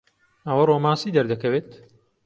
ئەوە ڕۆمانسی دەردەکەوێت؟